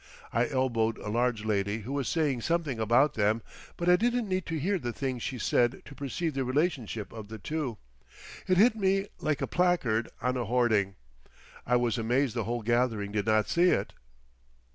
I elbowed a large lady who was saying something about them, but I didn't need to hear the thing she said to perceive the relationship of the two. It hit me like a placard on a hoarding. I was amazed the whole gathering did not see it.